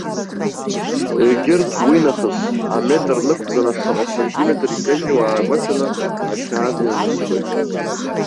Егьырҭ, уинахыс аметр нықәҵаны, шаҟа сантиметр икьакьоу аагәаҭаны, ақьаад инанысҵоит.